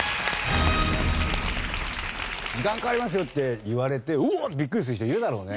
時間かかりますよって言われてうおっ！ってビックリする人いるだろうね。